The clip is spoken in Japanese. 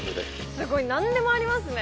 すごいなんでもありますね